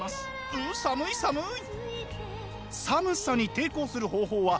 う寒い寒い！